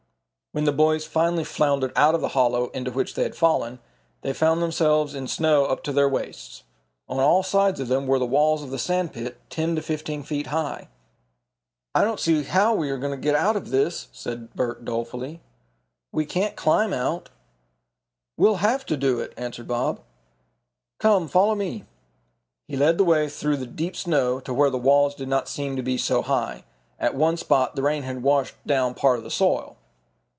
When the boys finally floundered out of the hollow into which they had fallen, they found themselves in snow up to their waists. On all sides of them were the walls of the sand pit, ten to fifteen feet high. "I don't see how we are going to get out of this," said Bert dolefully. "We can't climb out." "We'll have to do it," answered Bob. "Come, follow me." He led the way through the deep snow to where the walls did not seem to be so high. At one spot the rain had washed down part of the soil.